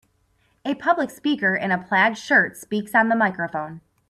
A public speaker in a plaid shirt speaks on the microphone.